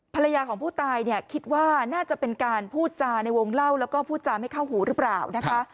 ภรรยาของผู้ตายเนี่ยคิดว่าน่าจะเป็นการพูดจาในวงเล่าแล้วก็พูดจาไม่เข้าหูหรือเปล่านะคะ